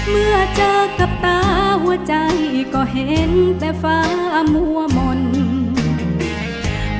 เมื่อเจอกับตาหัวใจก็เห็นแต่ฟ้ามั่วมนเหนื่อย